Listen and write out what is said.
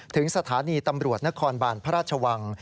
ถึงสถานีตำรวจนครบานพระราชวัง